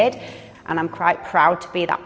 dengan penyelamat orang yang telah menderita